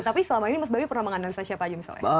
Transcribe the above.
tapi selama ini mas bayu pernah menganalisa siapa aja misalnya